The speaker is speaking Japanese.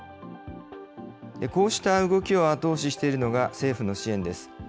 こうした動きを後押ししているのが政府の支援です。